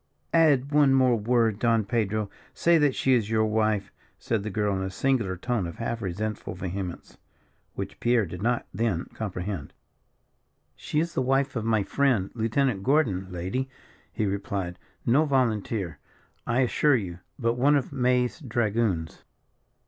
"Add one word more, Don Pedro; say that she is your wife," said the girl in a singular tone of half resentful vehemence, which Pierre did not then comprehend. "She is the wife of my friend, Lieutenant Gordon, lady," he replied; "no volunteer, I assure you, but one of May's dragoons."